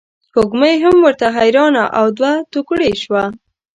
سپوږمۍ هم ورته حیرانه او دوه توکړې شوه.